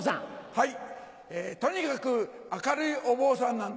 はい。